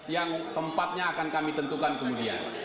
yang tempatnya akan kami tentukan kemudian